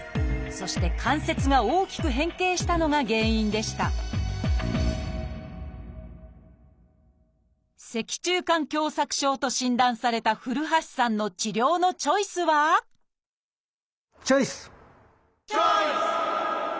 そして関節が大きく変形したのが原因でした「脊柱管狭窄症」と診断された古橋さんの治療のチョイスはチョイス！